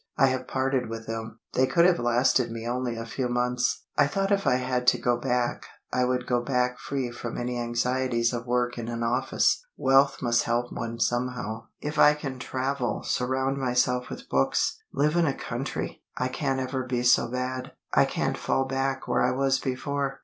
I have parted with them. They could have lasted me only a few months. I thought if I had to go back, I would go back free from any anxieties of work in an office. Wealth must help one somehow. If I can travel, surround myself with books, live in the country, I can't ever be so bad, I can't fall back where I was before.